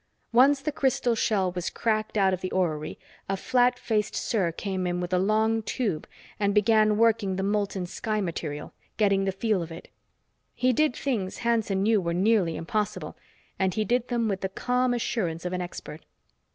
Once the crystal shell was cracked out of the orrery, a fat faced Ser came in with a long tube and began working the molten sky material, getting the feel of it. He did things Hanson knew were nearly impossible, and he did them with the calm assurance of an expert.